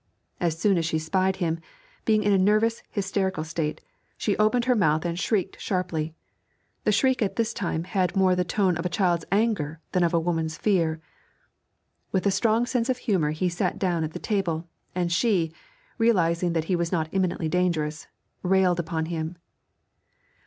As soon as she spied him, being in a nervous, hysterical state, she opened her mouth and shrieked sharply; the shriek at this time had more the tone of a child's anger than of a woman's fear. With a strong sense of humour he sat down at the table, and she, realising that he was not immediately dangerous, railed upon him.